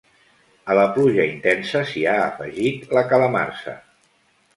A la pluja intensa s’hi ha afegit la calamarsa.